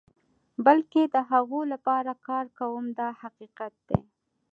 بلکې د هغو لپاره کار کوم دا حقیقت دی.